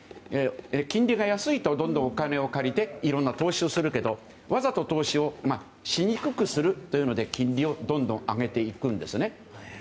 金利が安いとどんどんお金を借りていろいろな投資をするけどわざと投資をしにくくするというので金利をどんどん上げていくんですね。